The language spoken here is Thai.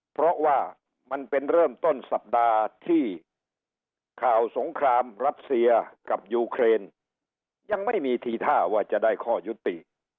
เพราะว่ามันเป็นเริ่มต้นสัปดาห์ที่ข่าวสงครามรัสเซียกับยูเครนยังไม่มีทีท่าว่าจะได้ข้อยุติ